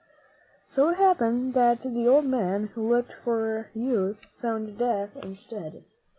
So it happened that the old man who looked for youth found death instead.